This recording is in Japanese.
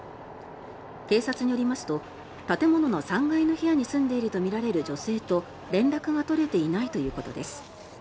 警察によりますと建物の３階の部屋に住んでいるとみられる女性と連絡が取れていないということです。